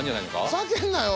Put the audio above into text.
ふざけんなよ！